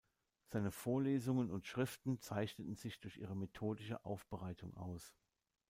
Seine Vorlesungen und Schriften zeichneten sich durch ihre methodische Aufbereitung aus.